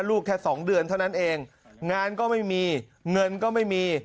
แค่สองเดือนเท่านั้นเองงานก็ไม่มีเงินก็ไม่มี